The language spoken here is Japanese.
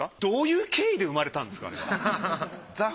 どういう経緯で生まれたんですか？